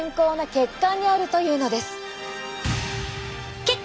血管！